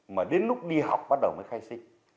mà đến lúc đi học bắt đầu mới khai sinh